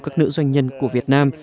các nữ doanh nhân của việt nam